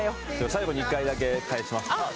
最後に１回だけ返します・あっ